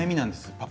パパ